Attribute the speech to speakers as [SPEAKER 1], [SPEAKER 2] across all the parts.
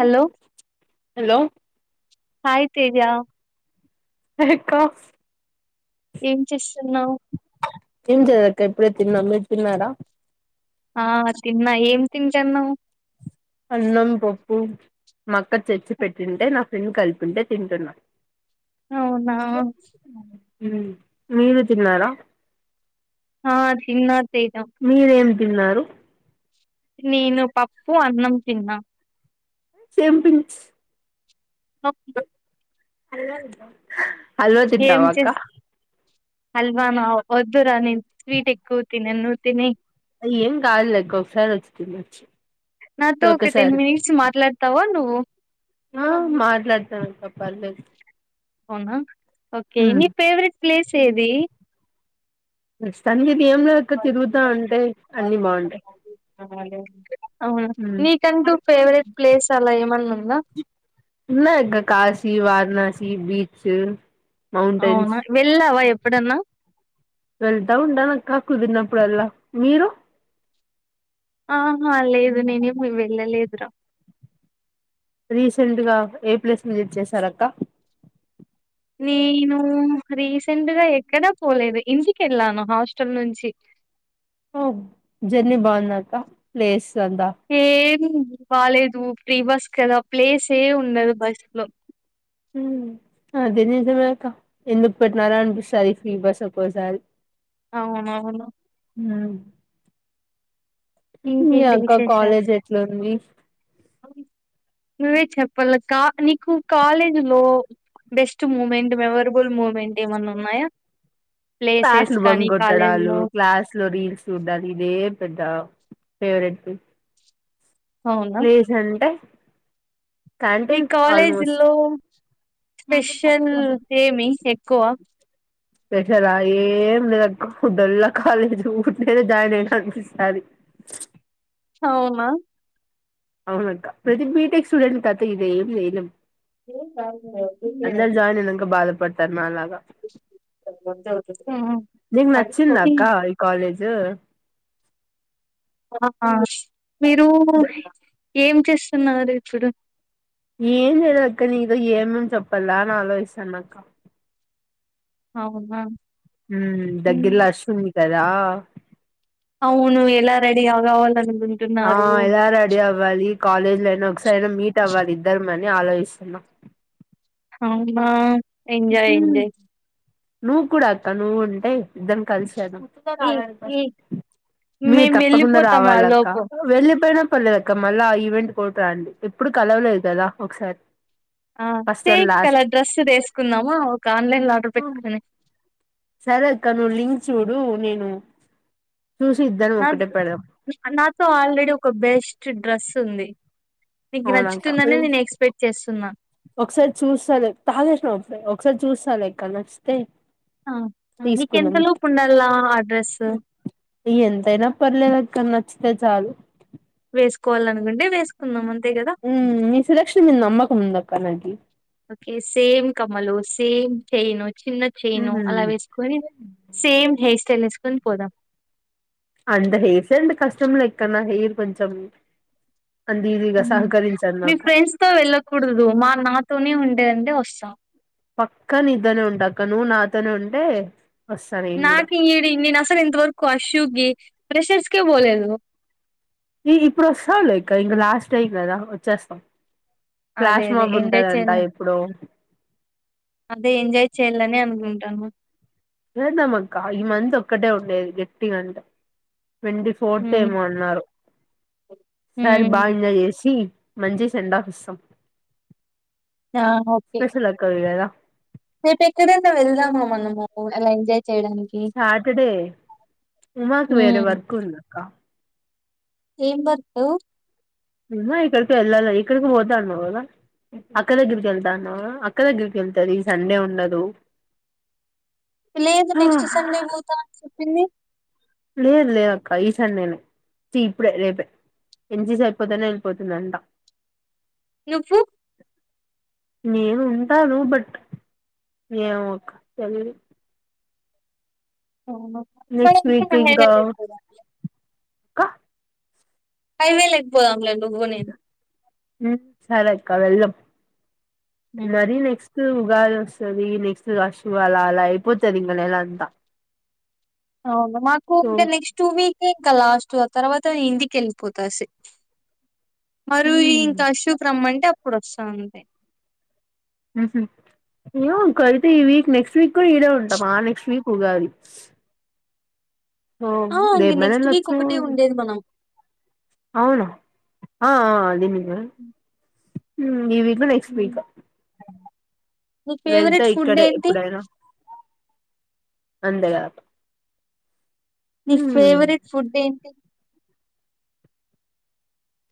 [SPEAKER 1] Hello
[SPEAKER 2] hello
[SPEAKER 1] hi Teja
[SPEAKER 2] [unintelligible]
[SPEAKER 1] ఏం చేస్తున్నావ్
[SPEAKER 2] ఏం లేదు అక్క ఇప్పుడే తిన్నాం మీరు తిన్నారా
[SPEAKER 1] ఆ తిన్నా ఏం తింటానావు
[SPEAKER 2] అన్నం పప్పు మా అక్క తెచ్చి పెట్టింటే నా ఫ్రెండ్ కలిపి ఉంటే తింటున్నా
[SPEAKER 1] అవునా
[SPEAKER 2] హ్మ్మ్ మీరు తిన్నారా
[SPEAKER 1] హా జిమ్నాథ సయిద
[SPEAKER 2] మీరేం తిన్నారు
[SPEAKER 1] నేను పప్పు అన్నం తిన్నా.
[SPEAKER 2] చెం పించ్
[SPEAKER 1] ఓ
[SPEAKER 2] అలాలు ఆ అల్వతింటావక్క.
[SPEAKER 1] అల్వాను వద్దురా నిం స్వీట్ ఎక్కువ తినను. తినే
[SPEAKER 2] అయ్యో ఏం కాదులే ఒక్క ఒకసారి వచ్చి తినొచ్చు.
[SPEAKER 1] నాతో ఒక టెన్
[SPEAKER 2] ఒకసారి
[SPEAKER 1] మినిట్స్ మాట్లాడతావా నువ్వు. ఓ
[SPEAKER 2] ఆ మాట్లాడతా అక్క పర్లేదు.
[SPEAKER 1] అవునా ఓకే నీ ఫేవరెట్ ప్లేస్. తేది
[SPEAKER 2] సంహిత్ బాగుంటాయి
[SPEAKER 1] అవునా నీకంటూ ఫేవరెట్ ప్లేస్ అలా ఏం అలనంద
[SPEAKER 2] ఉందానా కాశీ వారణాసి బీచ్ మౌంటైన్స్
[SPEAKER 1] అవునా వెళ్ళావా ఎపు ఎప్పుడన్నా
[SPEAKER 2] వెళ్తా ఉంటడాల నాక్క కుదిరినప్పుడు. అప్పుడలా మీరు
[SPEAKER 1] ఆ ఆ లేదు నేనే ఎపు వెళ్ళలేదు. టాప్
[SPEAKER 2] రీసెంట్ గా ఏ ప్లస్ విజిట్ చేశారా అక్క.
[SPEAKER 1] నేను రీసెంట్గా ఎక్కడా పోలేదు, ఇంటికి వెళ్ళాను హాస్టల్ నుంచి.
[SPEAKER 2] ఓ జర్నీ బావుందా అక్క ప్లేస్ అంతా
[SPEAKER 1] ఏ హూ బాలేదు ఫ్రీ బస్ కదా, ప్లేస్ ఏ ఉండదు బస్ లో.
[SPEAKER 2] హు అదే నిజం అక్క ఎందు పెట్టానరా అనిపిస్తాది ఫ్రీ బస్. ఒక్కోసారి
[SPEAKER 1] అవునా అవును
[SPEAKER 2] ఊ హుహు యా
[SPEAKER 1] ఇంకేంటి
[SPEAKER 2] అక్క
[SPEAKER 1] విశేషాలు?
[SPEAKER 2] కాలేజ్ ఏంట్లుంది
[SPEAKER 1] నువ్వే చెప్పాలక్కా నీకు కాలేజీ లో బెస్ట్ మూమెంట్ మేమారిబుల్ మూమెంట్ ఏమన్నా ఉన్నాయా ప్లేసెస్
[SPEAKER 2] క్లాసులు బంక్
[SPEAKER 1] కానీ
[SPEAKER 2] కొట్టడాలు
[SPEAKER 1] కాలేజీలో
[SPEAKER 2] క్లాసులో రీల్స్ చూడల్ ఇదే పెట్ట టావు ఫెవరెట్వి
[SPEAKER 1] అవునా?
[SPEAKER 2] లెజంటే
[SPEAKER 1] మీ
[SPEAKER 2] ఆల్మోస్ట్
[SPEAKER 1] కాలేజీలో స్పెషల్ ఏమి ఎక్కువ
[SPEAKER 2] స్పెషలా ఏం లేదక్క ఫుడ్ అల్లా కాలేజీలో ఉట్టిగానే జాయినైనా అనిపిస్తది
[SPEAKER 1] అవునా
[SPEAKER 2] అవునక్క ప్రతి బిటెక్ స్టూడెంట్ కథ ఇదేం లేనం అయినాక బాధపడతారు నాలాగా నీకు నచ్చిందా అక్క ఈ కాలేజ్
[SPEAKER 1] హు హో హా మీరూ ఏం చేస్తున్నారు ఇప్పుడు
[SPEAKER 2] ఏం చేయలేదాక్క నీతో ఏమని చెప్పాలా ఆలోయిసున్నక్క
[SPEAKER 1] అవునా
[SPEAKER 2] హు
[SPEAKER 1] హ్మ్.
[SPEAKER 2] దగ్గరలో అశ్విని కదా
[SPEAKER 1] అవును ఎలా రెడి ఆగవలూన్
[SPEAKER 2] ఆ ఎలా రెడీ అవ్వాలి కాలేజీలైనా ఒకసారి మీట్ అవ్వాలి ఇద్ ధర్మాన్ని ఆలోయిసునం
[SPEAKER 1] అవునా ఎంజాయ్ ఎంజయ్
[SPEAKER 2] నువ్ కూడా అక్క నువుంటే ఇద్దరం కలిసే
[SPEAKER 1] హ్మ్.
[SPEAKER 2] కల్సచేదాం
[SPEAKER 1] హ్మ్.
[SPEAKER 2] మీర్
[SPEAKER 1] మేము
[SPEAKER 2] తప్పకుండా
[SPEAKER 1] వెళ్ళిపోతాం ఆ
[SPEAKER 2] రావాలక్క
[SPEAKER 1] లోపు.
[SPEAKER 2] పర్లేదాక్క మళ్ళా ఆ ఈవెంట్ కొట్రండి ఎప్పుడు కలవలేదు కదా ఒకసార్
[SPEAKER 1] ఆ సేమ్ కలర్ డ్రస్ దేసుకుందామా ఒక ఆన్లైన్ లో ఆర్డర్ పెట్ కానక్
[SPEAKER 2] సరే ఇక నువ్ లింక్ చూడు నీను
[SPEAKER 1] నాథ్ నా నాతో ఆల్రెడీ ఒక బెస్ట్ డ్రస్ తుంది
[SPEAKER 2] అవునట ఒకసారి చూసాలే తాగేసినపుడే ఒకసారి చూస్ ఫాలెక్క నచ్చితే
[SPEAKER 1] ఆ ఆ మీకెంత
[SPEAKER 2] తీసుకుందాం
[SPEAKER 1] లోపు ఉండాలా ఆ డ్రస్సు
[SPEAKER 2] తెలుసాలు
[SPEAKER 1] వేసుకోవాలాను ఉండేవి వేసు కుందాము అంతే కదా
[SPEAKER 2] ఉమ్ నీ సెలక్షన్ మీద నమ్మకం ఉందక్క నాకి
[SPEAKER 1] సేమ్ కమ్మలు సేమ్ చైన్ చిన్న చైన్
[SPEAKER 2] ఉమ్
[SPEAKER 1] అలా వేసుకొని సేమ్ హెయిర్ స్టైల్ తెలుసుకుని పోదాం
[SPEAKER 2] అంత హెయిర్స్ అంటే కష్టం లే అక్క నా హెయిర్ కొంచెం అంత ఈజీగా
[SPEAKER 1] ఉమ్
[SPEAKER 2] సహకరించదు
[SPEAKER 1] మీ
[SPEAKER 2] నాకు
[SPEAKER 1] ఫ్రెండ్స్ తో వెళ్ళకూడదు మా నాతోనే ఉంటా అంటే వస్తా
[SPEAKER 2] పక్క నీతోనే ఉంట అక్క నువ్వు నాతోనే ఉంటే వస్తా నేను కూడా
[SPEAKER 1] నాకు ఇడి నేను అసలు ఇంతవరకు అష్యుకి ఫ్రెషర్స్ కే పోలేదు
[SPEAKER 2] ఈ ఇప్పుడు వస్తావు లే అక్క ఇంక లాస్ట్ టైం కదా వచ్చేస్తాం
[SPEAKER 1] అదే అదే ఎంజాయ్ చెయ అదే ఎంజాయ్ చేయల్లనే ఉంటాను
[SPEAKER 2] లేద్దామక్క ఈ మంత్ ఒక్కటే ఉండేది గట్టిగ అంటే ట్వంటీ ఫోర్త్
[SPEAKER 1] ఉమ్
[SPEAKER 2] ఏమో అన్నారు ఈసారి బాగా
[SPEAKER 1] ఉమ్
[SPEAKER 2] ఎంజాయ్ చేసి మంచి సెండ్ ఆఫ్ ఇస్తాం
[SPEAKER 1] ఆ ఓకే
[SPEAKER 2] స్పెషల్ ఆక్కవి కదా
[SPEAKER 1] రేపు ఎక్కడైనా వెళ్దామా మనము అలా ఎంజాయ్ చేయడానికి
[SPEAKER 2] సాటర్డే ఉమాకి వేరే
[SPEAKER 1] హ్మ్.
[SPEAKER 2] వర్క్ ఉంది అక్క
[SPEAKER 1] ఏం వర్కు
[SPEAKER 2] ఉమా ఎక్కడికో వెళ్ళాలి ఎక్కడికో పోతా అన్నావు కదా అక్క దగ్గరికి వెళ్తా అన్నావా అక్క దగ్గరికి వెళ్తారు ఈ సండే ఉండదు
[SPEAKER 1] లేదు నెక్స్ట్ సండే పోతా అని ఏంది
[SPEAKER 2] లేదు లేదక్క ఈ సండే నే ఇప్పుడే రేపే ఎంజీస్ అయిపోతేనే వెళ్ళిపోతుందంట
[SPEAKER 1] నువ్వు
[SPEAKER 2] నేను ఉంటాను బట్ ఏమో అక్క తెలిదు
[SPEAKER 1] అవునా మరి
[SPEAKER 2] నెక్స్ట్
[SPEAKER 1] [unintelligible]
[SPEAKER 2] క
[SPEAKER 1] హైవేలేకి పోదాం లే
[SPEAKER 2] ఉమ్ సరే అక్క ఆ వెళ్దాం
[SPEAKER 1] హ్మ్.
[SPEAKER 2] మరీ నెక్స్ట్ ఉమ్ ఉగాది వస్తది నెక్స్ట్ అశ్వలా అలా అయిపోతాది నెల అంతా
[SPEAKER 1] అవును మాకు
[SPEAKER 2] సో
[SPEAKER 1] ఇంకా నెక్స్ట్ టూ వీక్ ఇంకా లాస్ట్ తర్వాత నేను ఇంటికి వెళ్ళిపోతా స మరి ఈ ఇంకా అశోకు రమ్మ అంటే అప్పుడు వస్తా అంతే
[SPEAKER 2] ఉహూ ఇంకయితే ఈ వీక్ నెక్స్ట్ వీక్ కూడా ఈడే ఉంటామా నెక్స్ట్ వీక్ ఉగాది సో
[SPEAKER 1] ఆ ఇంగ
[SPEAKER 2] రేపైనా
[SPEAKER 1] నెక్స్ట్ వీక్
[SPEAKER 2] వెళ్ళొచ్చు
[SPEAKER 1] ఒకటే ఉండేది మనం
[SPEAKER 2] అవునా ఆ ఆ అది ఆ మ్ ఇవి నెక్స్ట్ వీక్
[SPEAKER 1] మీ
[SPEAKER 2] వెళ్తే
[SPEAKER 1] ఫేవ్రెట్ ఫుడ్
[SPEAKER 2] ఇక్కడే
[SPEAKER 1] ఏంటి
[SPEAKER 2] ఎప్పుడైనా అంతే కదబ్బ
[SPEAKER 1] నీ ఫేవ్రెట్ ఫుడ్ ఏం [inaudible]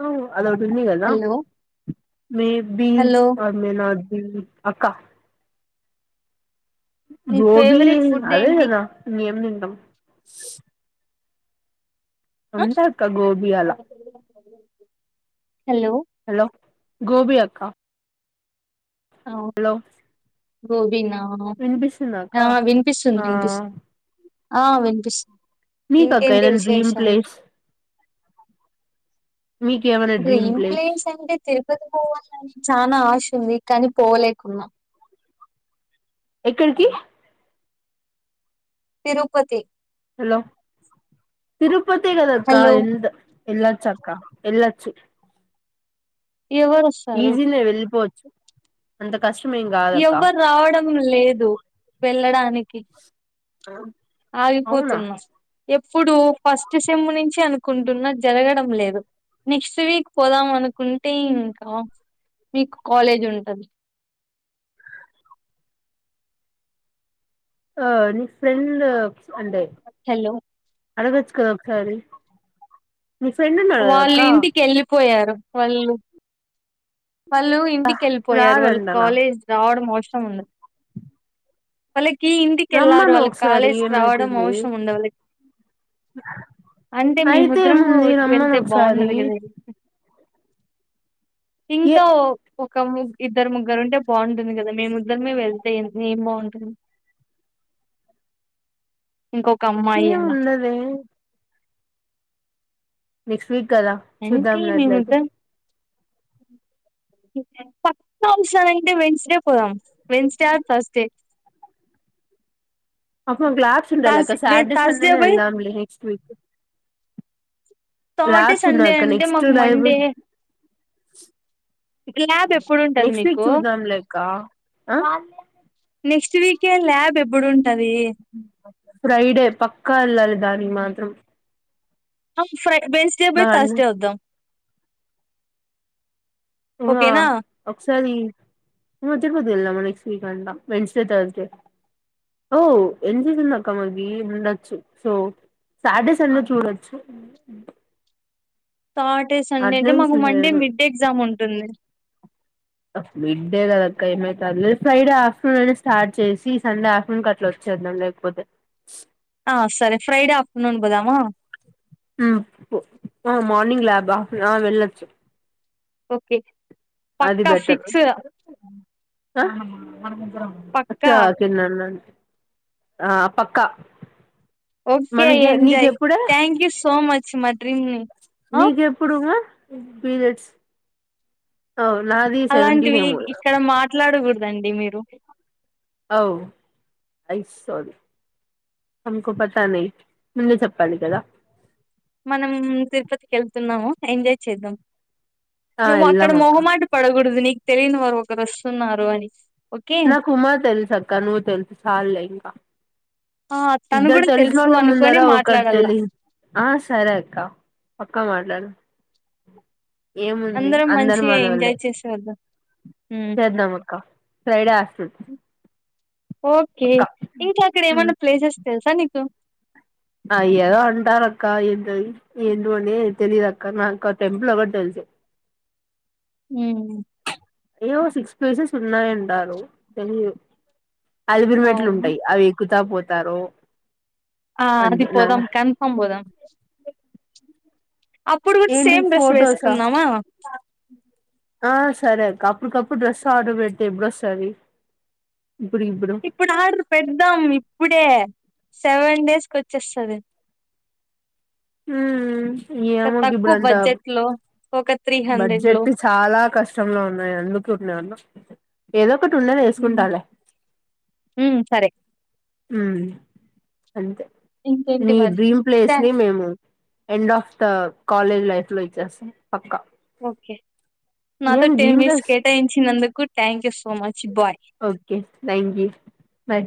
[SPEAKER 2] ఓ అదోట్ ఉంది కదా
[SPEAKER 1] hello!
[SPEAKER 2] Maybe
[SPEAKER 1] hello!
[SPEAKER 2] Or may not అక్కా
[SPEAKER 1] నీ
[SPEAKER 2] గోబీ
[SPEAKER 1] ఫేవరెట్ ఫుడ్
[SPEAKER 2] అదే
[SPEAKER 1] ఏంటి?
[SPEAKER 2] కదా ఇంకేం లే [unintelligible]
[SPEAKER 1] ఆ!
[SPEAKER 2] అంతే అక్క గోబి అలా
[SPEAKER 1] హలో
[SPEAKER 2] హలో గోబి అక్కా
[SPEAKER 1] అవు [unintelligible] వినా
[SPEAKER 2] వినిపిస్తుందా అక్క
[SPEAKER 1] ఆ వినిపిస్తుంది
[SPEAKER 2] ఆ
[SPEAKER 1] వినిపిస్తుంది. ఆ విన్పిస్
[SPEAKER 2] నీకక్కా ఏదన్న డ్రీమ్ ప్లేస్ మీకేమన్న డ్రీమ్ ప్లేస్
[SPEAKER 1] తిరుపతి పోవాలని చానా ఆశ ఉంది కానీ పోలేకున్నా
[SPEAKER 2] ఎక్కడ్కి
[SPEAKER 1] తిరుపతి
[SPEAKER 2] హలో తిరుప్ పతే కదక్కా
[SPEAKER 1] హలో
[SPEAKER 2] ఎంద ఎల్లచ్చక్క ఎల్లచ్చు
[SPEAKER 1] ఎవర్ వస్తారు
[SPEAKER 2] వెళ్ళిపోవచ్చు అంత కష్టం ఏం కాదక్క
[SPEAKER 1] ఎవ్వర్ రావడం లేదు వెళ్ళడానికి
[SPEAKER 2] అవునా
[SPEAKER 1] ఆగిపోతున్న. ఎప్పుడు ఫస్ట్ సెమ్ నుంచి అనుకుంటున్నా జరగడం లేదు నెక్స్ట్ వీక్ పోదాం అనుకుంటే ఇంకా మీకు కాలేజ్ ఉంట. ది
[SPEAKER 2] ఆ నీ ఫ్రెండ్ అంటే
[SPEAKER 1] హలో
[SPEAKER 2] అడగొచ్చు కద సారీ
[SPEAKER 1] వాళ్ళు ఇంటికి వెళ్ళిపోయారు. వాళ్ళు వాళ్ళు ఇంటికెళ్ళిపోయారు వాళ్ళు
[SPEAKER 2] రాడంటనా
[SPEAKER 1] కాలేజ్ రావడంమా ఇష్టం ఉండద్ పల్లిక్ కి ఇంటికెళ్ళారు
[SPEAKER 2] రమ్మను
[SPEAKER 1] వాళ్ళు
[SPEAKER 2] ఒకసారి
[SPEAKER 1] కాలేజ్ కి రావడం
[SPEAKER 2] ఏమైతుంది
[SPEAKER 1] అవసరం ఉండాలి అంటే
[SPEAKER 2] అయితే
[SPEAKER 1] మేమిద్దరం కూడా
[SPEAKER 2] ఏముంది రమ్మను
[SPEAKER 1] వెళ్తే
[SPEAKER 2] ఒకసారి
[SPEAKER 1] బావుండదు కదా
[SPEAKER 2] ఏ
[SPEAKER 1] ఇంకా ఓ ఒక ముగ్ ఇద్దరు ముగ్గురు ఉంటే బావుంటుంది కదా మేం ముగ్గురమే వెళ్తే ఏం ఏం బాగుంట్ హ్మ్ ఇంకొక అమ్మాయి అలా
[SPEAKER 2] ఏముండదే నెక్స్ట్ వీక్ కదా
[SPEAKER 1] అంటే
[SPEAKER 2] చూద్దాం లే అట్లైతే
[SPEAKER 1] మేముద్దరం పక్కా [unintelligible] వెడ్నెస్డే పోదాం వెన్స్డే ఆర్ థార్స్డే
[SPEAKER 2] బ్లాక్స్ ఉండలక్క సాటర్డే సండేనే
[SPEAKER 1] పోయి
[SPEAKER 2] ఎళ్దాం లే నెక్స్ట్ వీక్
[SPEAKER 1] సాటర్డే
[SPEAKER 2] ల్యాబ్స్ ఉన్నాయి
[SPEAKER 1] సండే
[SPEAKER 2] అక్క
[SPEAKER 1] అంటే
[SPEAKER 2] నెక్స్ట్
[SPEAKER 1] మాకు
[SPEAKER 2] లైబ్
[SPEAKER 1] మండే ల్యాబ్ ఎప్పుడు ఉంటది
[SPEAKER 2] నెక్స్ట్ వీక్
[SPEAKER 1] మీకు
[SPEAKER 2] చూద్దాం లే అక్క ఆ
[SPEAKER 1] నెక్స్ట్ వీకే ల్యాబ్ ఎప్పుడూన్
[SPEAKER 2] ఫ్రైడే పక్కా వెళ్ళాలి దానికి మాత్రం
[SPEAKER 1] హుమ్మ్ ఫ్రై వెడ్నెస్డే
[SPEAKER 2] మా
[SPEAKER 1] పోయి
[SPEAKER 2] అన్న
[SPEAKER 1] థర్డ్స్ వద్దాం
[SPEAKER 2] ఆ
[SPEAKER 1] ఓకేనా
[SPEAKER 2] ఒక్కసారి మధ్య మధ్య లో వెళ్దామా నెక్స్ట్ వీకంట వెడ్నెస్డే థర్స్డే ఓ ఎంసిసి ఉందక్క మనకి ఉండొచ్చు సో సాటర్డే సండే చూడొచ్చు
[SPEAKER 1] సాటె సండే అంటే
[SPEAKER 2] అటెండెన్స్
[SPEAKER 1] మాకు మండే
[SPEAKER 2] లేదు
[SPEAKER 1] మిడ్ ఎగ్జామ్ ఉంటుంది
[SPEAKER 2] మిడ్ డే కాదక్కా ఏమైతదిలే ఫ్రైడే ఆఫ్టర్నూన్ అని స్టార్ట్ చేసి సండే ఆఫ్టర్నూన్కీ అట్లా వచ్చేద్దాం లేకపోతే
[SPEAKER 1] ఆ సరే ఫ్రైడే ఆఫ్టర్నూన్ పోదామ
[SPEAKER 2] హుమ్మ్ హా మార్నింగ్ లాబా ఆ వెళ్లొచ్చు
[SPEAKER 1] ఓకే
[SPEAKER 2] అది
[SPEAKER 1] పక్కా
[SPEAKER 2] బెటర్
[SPEAKER 1] ఫిక్స్ పక్కా
[SPEAKER 2] ఆ తిన్నానండ్ ఆ పక్కా
[SPEAKER 1] ఓకే
[SPEAKER 2] మనకి
[SPEAKER 1] ఎంజాయ్
[SPEAKER 2] నీకెప్పుడే
[SPEAKER 1] థాంక్యూ యూ సో మచ్ మా డ్రీమ్ ఆ
[SPEAKER 2] బిల్గేట్స్
[SPEAKER 1] అలాంటివి
[SPEAKER 2] ఏమో
[SPEAKER 1] ఇక్కడ మాట్లాడకూడద్ రండి మీరు
[SPEAKER 2] వావ్ ఐ సా యూ హంకు పతనాహి ముందే చెప్పాలి కదా
[SPEAKER 1] మనం తిరుపతికి వెళ్తున్నాము ఎంజాయ్ చేద్దాం
[SPEAKER 2] ఆ
[SPEAKER 1] నువ్వు అక్కడ
[SPEAKER 2] వెళ్దాం అక్క
[SPEAKER 1] మొహమాట పడకూడదు నీ తెలియని వారు ఒకరు వస్తున్నారు అని ఓకే
[SPEAKER 2] నాకు ఉమ తెలుస అక్క నువు తెలుసు సాల్లే ఆ
[SPEAKER 1] ఆ తను
[SPEAKER 2] ఇద్దరు
[SPEAKER 1] కూడా తెలుసు
[SPEAKER 2] తెలిసనోడ్ల ముందర
[SPEAKER 1] అనుకొని
[SPEAKER 2] ఒకరు
[SPEAKER 1] మాట్లాడాల
[SPEAKER 2] తెలి ఆ సరే అక్క పక్క మ లన్ ఏముంది
[SPEAKER 1] అందరం
[SPEAKER 2] అందరు
[SPEAKER 1] మంచిగా
[SPEAKER 2] మనోలే
[SPEAKER 1] ఎంజాయ్ చేసేవద్దాం ఉమ్.
[SPEAKER 2] చేద్దాం అక్క ఫ్రైడే ఆస్తుంది
[SPEAKER 1] ఓకే ఇంకా అక్కడ ఏమన్నా ప్లేసెస్ తెలుసా నీకు
[SPEAKER 2] అయ్య అంటారు అక్క ఏ ఎందు అని తెలియదు అక్క నాకు టెంపుల్ ఒకటి తెలుసు
[SPEAKER 1] హ
[SPEAKER 2] ఏవో సిక్స్ ప్లేసస్ ఉన్నాయి అంటారు తెలియదు అలిపిరిమెట్లు
[SPEAKER 1] అవును.
[SPEAKER 2] ఉంటాయి అవి ఎక్కు తా పోతారు
[SPEAKER 1] ఆ
[SPEAKER 2] అంతే నా
[SPEAKER 1] అదిపోదాం కన్ఫామ్ పోదాం అప్పుడు గూడా
[SPEAKER 2] ఏంటి
[SPEAKER 1] సేమ్ డ్రెస్
[SPEAKER 2] ఫోటోస
[SPEAKER 1] వేసుకుందామా?
[SPEAKER 2] ఆ సరే అక్క ఇప్పుటికప్పుడు డ్రెస్ ఆర్డర్ పెడితే ఎప్పుడస్తుంది
[SPEAKER 1] ఇప్పుడు ఆర్డర్ పెడద్దాం ఇప్పుడే సెవెన్ డేస్ కి వచ్చేస్తది
[SPEAKER 2] ఏమో ఇప్పుడు
[SPEAKER 1] తక్కువ
[SPEAKER 2] అంతా
[SPEAKER 1] బడ్జెట్‌లో ఒక
[SPEAKER 2] బడ్జెట్ చాలా కష్టంలో ఉన్నాయి అందుకు అనే అన్న ఏదో ఒకటి ఉన్నది
[SPEAKER 1] హ్మ్.
[SPEAKER 2] వేసుకుంటాలే
[SPEAKER 1] హ్మ్. సరే.
[SPEAKER 2] అంతే
[SPEAKER 1] ఇంకేంటి
[SPEAKER 2] నీ
[SPEAKER 1] మరి?
[SPEAKER 2] డ్రీమ్
[SPEAKER 1] థా
[SPEAKER 2] ప్లేస్ని మేము end of the college life లో ఇచ్చేస్త
[SPEAKER 1] ఓకే నాతో
[SPEAKER 2] నేను
[SPEAKER 1] టెన్
[SPEAKER 2] డ్రీమ్
[SPEAKER 1] మినిట్స్
[SPEAKER 2] ప్లేస్
[SPEAKER 1] కేటాయించినందుకు thank you so much bye
[SPEAKER 2] okay thank you bye